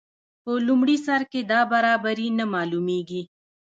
په لومړي سر کې دا برابري نه معلومیږي.